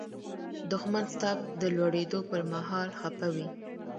دښمن ستا د لوړېدو پر مهال خپه وي